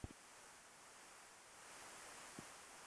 پنېر په یخچال کې تازه پاتې کېږي.